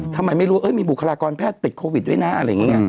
ทำไมไม่รู้ว่ามีบุคลากรแพทย์ติดโควิดด้วยนะอะไรอย่างนี้